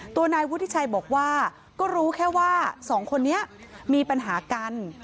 ตัวนายวุฒิชัยบอกว่าก็รู้แค่ว่าสองคนนี้มีปัญหากัน